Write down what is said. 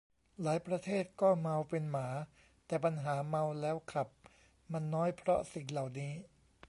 หลายประเทศก็เมาเป็นหมา แต่ปัญหาเมาแล้วขับมันน้อยเพราะสิ่งเหล่านี้